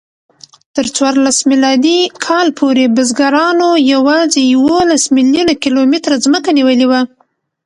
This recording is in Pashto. تر څوارلس میلادي کال پورې بزګرانو یواځې یوولس میلیونه کیلومتره ځمکه نیولې وه.